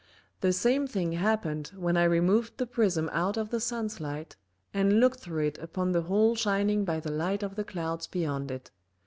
The same thing happen'd when I removed the Prism out of the Sun's Light, and looked through it upon the hole shining by the Light of the Clouds beyond it.